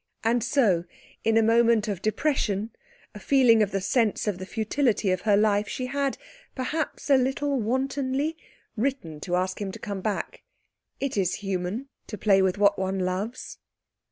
And so, in a moment of depression, a feeling of the sense of the futility of her life, she had, perhaps a little wantonly, written to ask him to come back. It is human to play with what one loves.